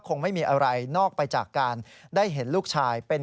กรณีนี้ทางด้านของประธานกรกฎาได้ออกมาพูดแล้ว